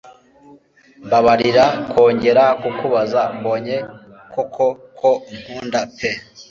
mbabarira ko ngera kukubabaza mbonye koko ko unkunda pe